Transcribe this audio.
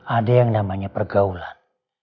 ada yang namanya pergaulan